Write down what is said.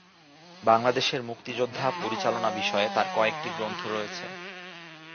বাংলাদেশের মুক্তিযোদ্ধা পরিচালনা বিষয়ে তার কয়েকটি গ্রন্থ রয়েছে।